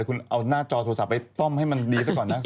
คุณเอาหน้าจอโทรศัพท์ไปซ่อมให้มันดีซะก่อนนะ